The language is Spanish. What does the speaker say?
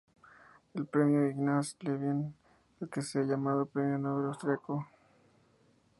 El premio Ignaz Lieben, al que se ha llamado el Premio Nobel austriaco.